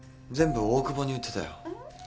全部大久保に売ってたよ。